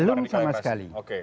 belum sama sekali